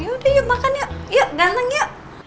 yaudah yuk makan yuk yuk ganteng yuk